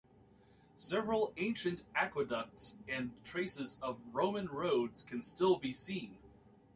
Several ancient aqueducts and traces of Roman roads can still be seen.